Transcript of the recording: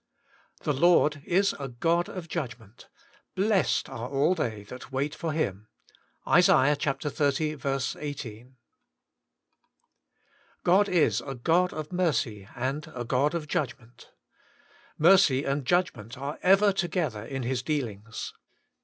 The Lord is a God of judgment : blessed are all they that wait for Him.' — IsA. zzz. 18. GOD is a God of mercy and a God of judg ment Mercy and judgment are ever together in His dealings.